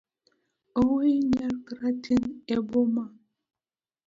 Oweyo nya karateng' e boma.